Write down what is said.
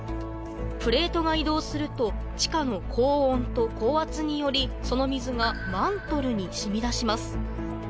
プレートが移動すると地下の高温と高圧によりその水がマントルにしみ出します